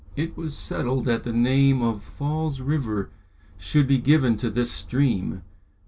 It was settled that the name of Falls River should be given to this stream.